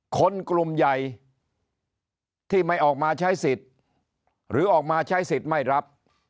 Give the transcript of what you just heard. คนกลุ่มใหญ่ที่ไม่ออกมาใช้สิทธิ์หรือออกมาใช้สิทธิ์ไม่รับ